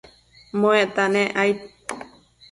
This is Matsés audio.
muecta nec aid